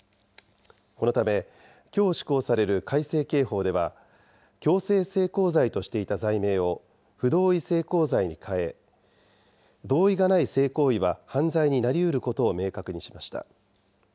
このため、きょう施行される改正刑法では、強制性交罪としていた罪名を不同意性交罪に変え、同意がない性行為は犯罪になりうることを明確にしました。